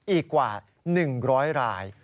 อีกกว่า๑๐๐ราย